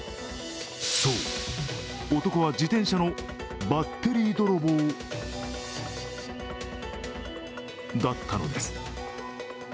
そう、男は自転車のバッテリー泥棒だったのです。